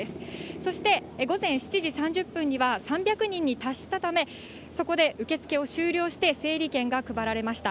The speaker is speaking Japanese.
そして、午前７時３０分には、３００人に達したため、そこで受け付けを終了して、整理券が配られました。